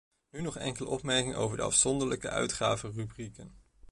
Nu nog enkele opmerkingen over de afzonderlijke uitgavenrubrieken.